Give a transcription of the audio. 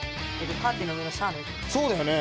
そうだよね。